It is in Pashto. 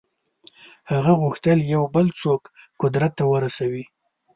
هغه غوښتل یو بل څوک قدرت ته ورسوي.